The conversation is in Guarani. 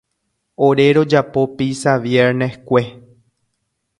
Ore rojapo pizza vierneskue.